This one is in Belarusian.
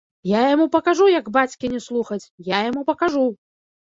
Я яму пакажу, як бацькі не слухаць, я яму пакажу!